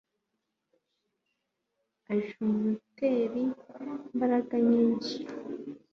aj'umuter'imbaraga nyinshi